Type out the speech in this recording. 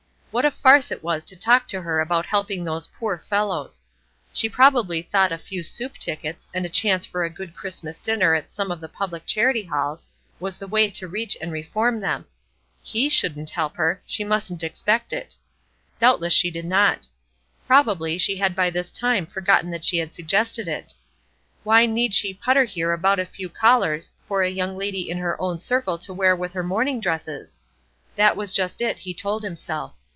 What a farce it was to talk to her about helping those poor fellows! She probably thought a few soup tickets, and a chance for a good Christmas dinner at some of the public charity halls, was the way to reach and reform them. He shouldn't help her; she mustn't expect it. Doubtless she did not. Probably she had by this time forgotten that she had suggested it. Why need she putter here about a few collars for a young lady in her own circle to wear with her morning dresses? That was just it, he told himself.